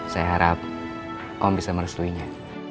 saya harap om bisa meresluinya